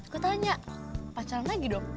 aku tanya pacaran lagi dong